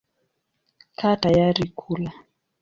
Kaa tayari kula.